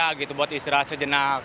ya gitu buat istirahat sejenak